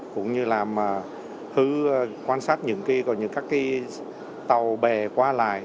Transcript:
cũng như làm quan sát những các tàu bè qua lại